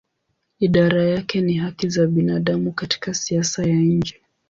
Idara yake ni haki za binadamu katika siasa ya nje.